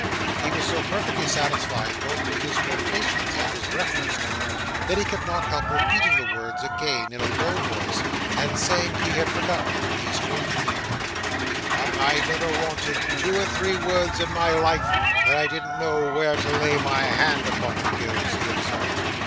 He was so perfectly satisfied both with his quotation and his reference to it, that he could not help repeating the words again in a low voice, and saying he had forgotten 'em these forty year. "But I never wanted two or three words in my life that I didn't know where to lay my hand upon 'em, Gills," he observed.